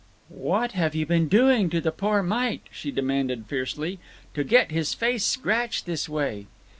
"What have you been doing to the poor mite?" she demanded fiercely, "to get his face scratched this way?"